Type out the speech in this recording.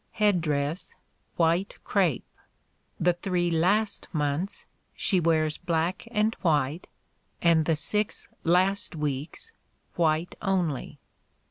Head dress, white crape. The three last months, she wears black and white, and the six last weeks, white only.